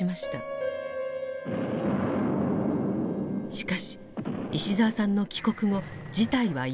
しかし石澤さんの帰国後事態は一変。